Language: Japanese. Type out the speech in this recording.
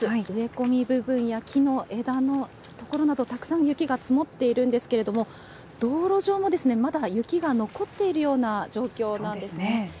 植え込み部分や木の枝の所など、たくさん雪が積もっているんですけれども、道路上もですね、まだ雪が残っているような状況なんですね。